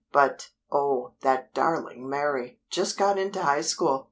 But, oh, that darling Mary! Just got into High School!